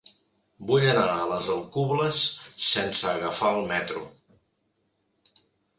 Vull anar a les Alcubles sense agafar el metro.